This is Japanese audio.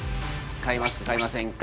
買いますか買いませんか？